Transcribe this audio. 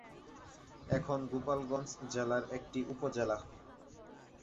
এখন গোপালগঞ্জ জেলার একটি উপজেলা।